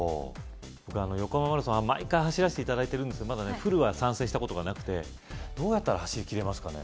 僕横浜マラソン毎回走らせて頂いてるんですけどまだねフルは参戦したことがなくてどうやったら走りきれますかね？